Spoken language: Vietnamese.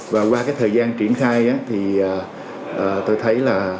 và qua cái thời gian triển khai thì tôi thấy là